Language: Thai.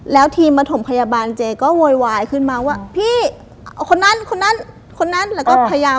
แล้วทีมประถมพยาบาลเจ๊ก็โวยวายขึ้นมาว่าพี่เอาคนนั้นคนนั้นคนนั้นแล้วก็พยายาม